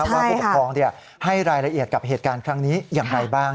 ผู้ปกครองให้รายละเอียดกับเหตุการณ์ครั้งนี้อย่างไรบ้าง